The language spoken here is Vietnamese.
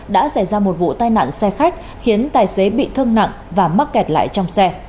đã xảy ra một vụ tai nạn xe khách khiến tài xế bị thương nặng và mắc kẹt lại trong xe